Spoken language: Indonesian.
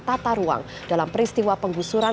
tata ruang dalam peristiwa penggusuran